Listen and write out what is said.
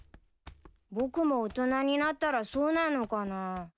僕も大人になったらそうなのかな。